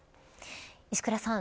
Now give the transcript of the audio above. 石倉さん